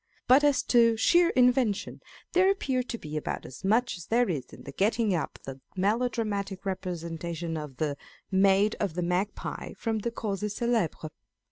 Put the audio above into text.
But as to sheer invention, there appeared to be about as much as there is in the getting up the melo Scott, Racine, and Shakespeare. 477 dramatic representation of the Maid and the Magpie from the Causes Celebres.